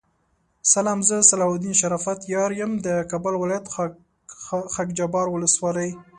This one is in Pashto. سلام زه صلاح الدین شرافت یار یم دکابل ولایت خاکحبار ولسوالی